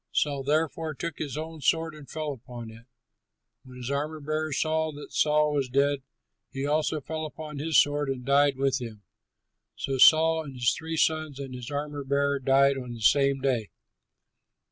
Saul, therefore, took his own sword and fell upon it. When his armor bearer saw that Saul was dead, he also fell upon his sword and died with him. So Saul and his three sons and his armor bearer died on the same day.